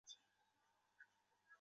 具体定义要视乎场合而定。